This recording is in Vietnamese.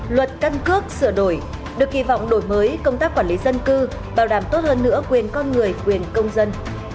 luật căn cước sửa đổi được kỳ vọng đổi mới công tác quản lý dân cư bảo đảm tốt hơn nữa quyền con người quyền công dân